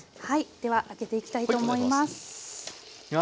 では開けていきたいと思います。